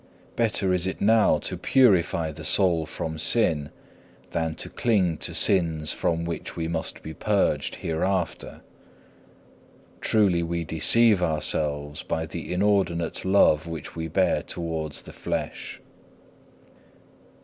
Better is it now to purify the soul from sin, than to cling to sins from which we must be purged hereafter. Truly we deceive ourselves by the inordinate love which we bear towards the flesh.